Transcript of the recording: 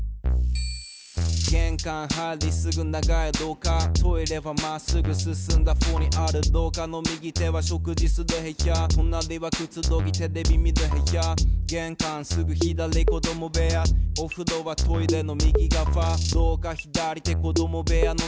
「げんかん入りすぐ長いろう下」「トイレはまっすぐ進んだほうにある」「ろう下の右手は食事する部屋」「となりはくつろぎテレビ見る部屋」「げんかんすぐ左子ども部屋」「おふろはトイレの右がわ」「ろう下左手子ども部屋のとなり」